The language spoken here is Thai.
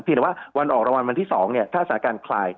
แต่ว่าวันออกรางวัลวันที่๒ถ้าสถานการณ์คลาย